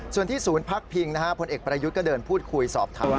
ส่วนที่ศูนย์พักพิงพลเอกประยุทธ์ก็เดินพูดคุยสอบถาม